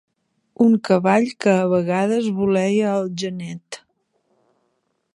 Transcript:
Un cavall que a vegades voleia el genet.